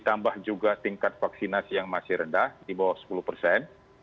tingkat vaksinasi yang masih rendah di bawah sepuluh persen